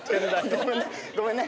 ごめんねごめんね。